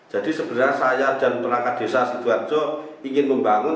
jadi sebenarnya saya dan perangkat desa sido harjo ingin membangun